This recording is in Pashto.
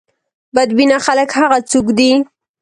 بد بینه خلک هغه څوک دي.